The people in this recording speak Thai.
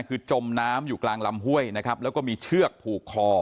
คือจมน้ำอยู่กลางลำห้วยนะครับแล้วก็มีเชือกผูกคอ